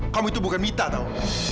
kamu itu bukan mita tau